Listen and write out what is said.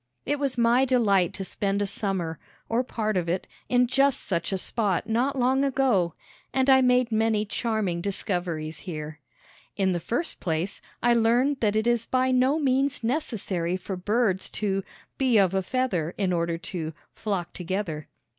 It was my delight to spend a summer, or part of it, in just such a spot not long ago, and I made many charming discoveries here. In the first place I learned that it is by no means necessary for birds to "be of a feather" in order "to flock together."